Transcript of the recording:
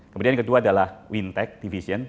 kemudian yang kedua adalah wintech division